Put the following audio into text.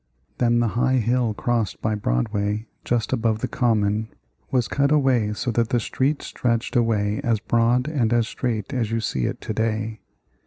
Then the high hill crossed by Broadway just above the Common was cut away so that the street stretched away as broad and as straight as you see it to day.